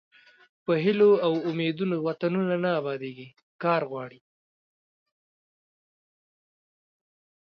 په هیلو او امیدونو وطنونه نه ابادیږي کار غواړي.